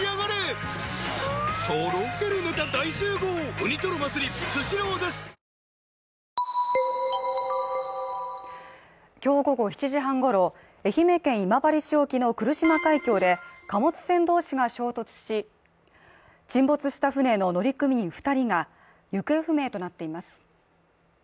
モニタリングにきょう午後７時半ごろ愛媛県今治市沖の来島海峡で貨物船どうしが衝突し沈没した船の乗組員二人が行方不明となっています